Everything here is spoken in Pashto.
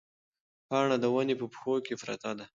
پاڼه د ونې په پښو کې پرته ده.